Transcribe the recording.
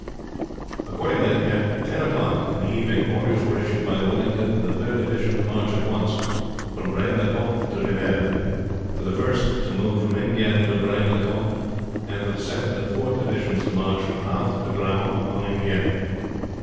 Accordingly at ten o'clock in the evening orders were issued by Wellington for the third division to march at once from Braine le Comte to Nivelles, for the first to move from Enghien to Braine le Comte, and for the second and fourth divisions to march from Ath and Grammont on Enghien.